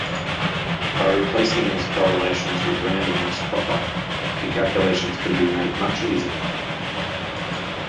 By replacing these correlations with randomness proper, the calculations can be made much easier.